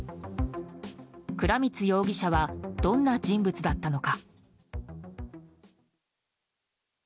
倉光容疑者はどんな人物だったのか。